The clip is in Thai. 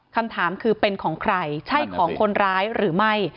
คำถามคือเป็นของใครใช่ของคนร้ายหรือไม่